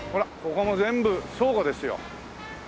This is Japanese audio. ここも全部倉庫ですよ。